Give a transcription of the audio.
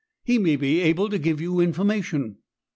He may be able to give you information."